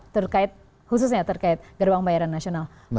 terkait khususnya terkait gerbang pembayaran nasional